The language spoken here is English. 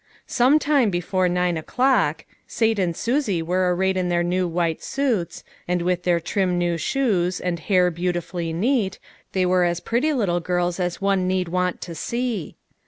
Some time before nine o'clock. Sate and Susie were arrayed in their new white suits, and with their trim new shoes, and hair beautifully neat, they were as pretty little girls as one need want to see.